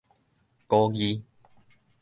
孤字